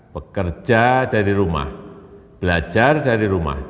bekerja dari rumah belajar dari rumah